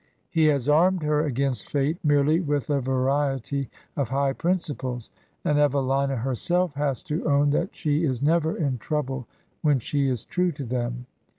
He has armed her against fate merely with a variety of high principles, and Evelina herself has to own that she is never in trouble when she is true to them.